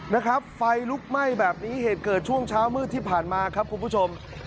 นะครับไฟลุกไหม้แบบนี้เหตุเกิดช่วงเช้ามืดที่ผ่านมาครับคุณผู้ชม